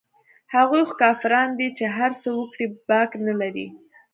هغوى خو کافران دي چې هرڅه وکړي باک نه لري.